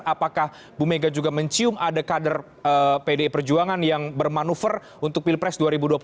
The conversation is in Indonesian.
apakah bu mega juga mencium ada kader pdi perjuangan yang bermanuver untuk pilpres dua ribu dua puluh